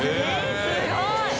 すごい。